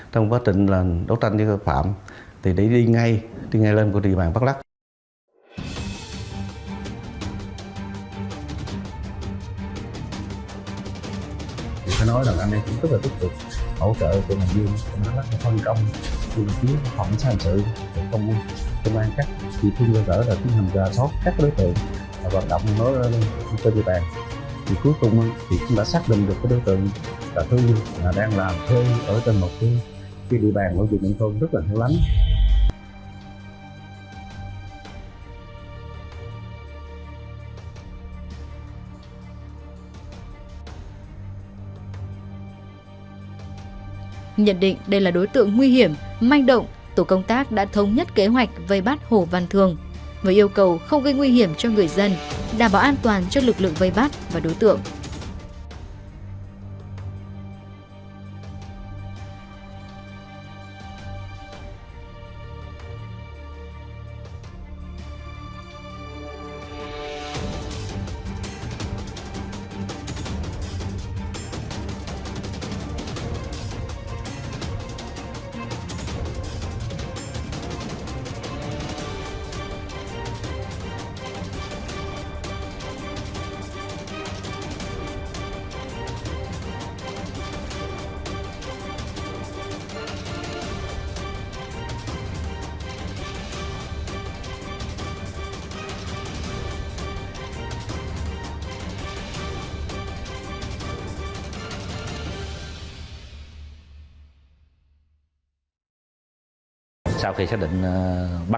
trong quá trình đấu tranh với cơ phạm